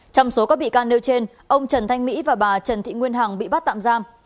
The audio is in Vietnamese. trong số các bị can nêu trên ông trần thanh mỹ và bà trần thị nguyên hằng bị bắt tạm giam